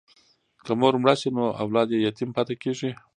که مور مړه شي نو اولاد یې یتیم پاتې کېږي.